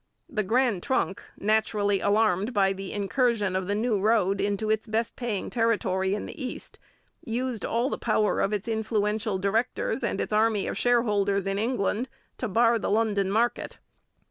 The Grand Trunk, naturally alarmed by the incursion of the new road into its best paying territory in the East, used all the power of its influential directors and its army of shareholders in England to bar the London market.